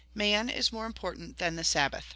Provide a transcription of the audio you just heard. Man is more important than the Sabbath."